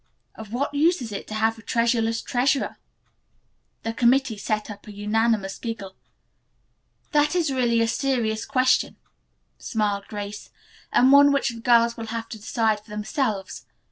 "Of what use is it to have a treasureless treasurer?" The committee set up a unanimous giggle. "That is really a serious question," smiled Grace, "and one which the girls will have to decide for themselves.